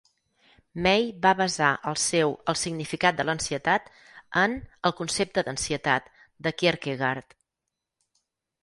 May va basar el seu "El significat de l'ansietat" en "El concepte d'ansietat" de Kierkegaard.